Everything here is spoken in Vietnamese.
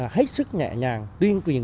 hết sức nhẹ nhàng tuyên truyền